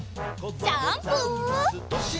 ジャンプ！